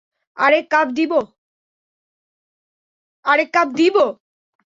আরেক কাপ দিবো?